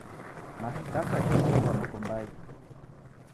Mashtaka ghedeghwa noko mbai.